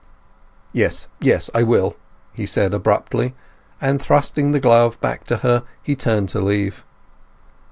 "Yes, yes; I will," he said abruptly, and thrusting the glove back to her he turned to leave.